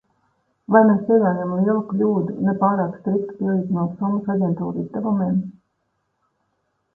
Vai mēs pieļaujam lielu kļūdu, ne pārāk strikti pielīdzinot summas aģentūru izdevumiem?